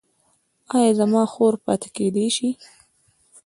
ایا زما خور پاتې کیدی شي؟